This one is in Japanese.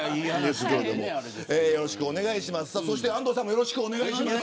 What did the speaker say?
よろしくお願いします。